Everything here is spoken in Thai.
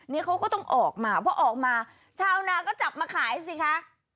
นี่เขาก็ต้องออกมาพอออกมาชาวนาก็จับมาขายสิคะ